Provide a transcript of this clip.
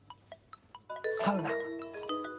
サウナ！